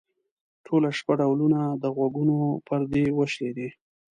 ټوله شپه ډولونه؛ د غوږونو پردې وشلېدې.